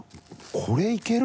これいける？